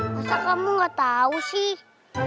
masa kamu gak tahu sih